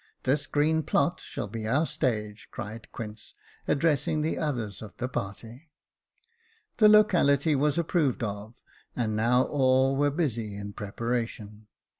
This green plot shall be our stage," cried Quince, addressing the others of the party. The locality was approved of, and now all were busy in preparation.